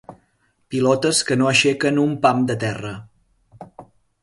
Pilotes que no aixequen un pam de terra.